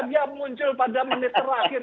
yang muncul pada menit terakhir